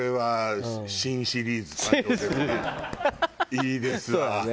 いいですわ。